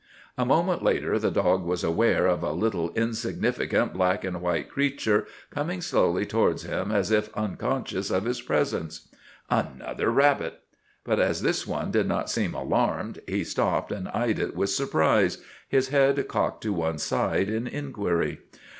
A moment later the dog was aware of a little, insignificant black and white creature coming slowly towards him as if unconscious of his presence. Another rabbit! But as this one did not seem alarmed, he stopped and eyed it with surprise, his head cocked to one side in inquiry.